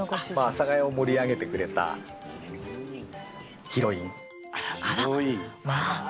阿佐ヶ谷を盛り上げてくれたあらまあ。